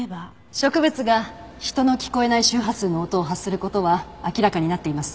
植物が人の聞こえない周波数の音を発する事は明らかになっています。